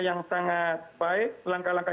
yang sangat baik langkah langkah